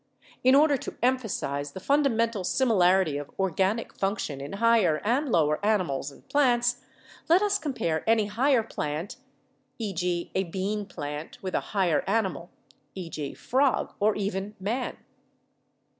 In order to emphasize the fun damental similarity of organic function in higher and lower animals and plants, let us compare any higher plant — e.g., a bean plant with a higher animal, e.g., frog or even man.